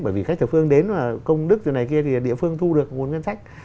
bởi vì khách thập phương đến công đức chỗ này kia thì địa phương thu được nguồn ngân sách